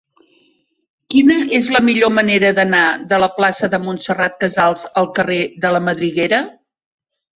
Quina és la millor manera d'anar de la plaça de Montserrat Casals al carrer de la Madriguera?